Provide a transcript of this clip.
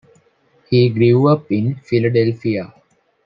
He grew up in Philadelphia.